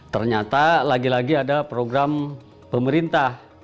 ternyata lagi lagi ada program pemerintah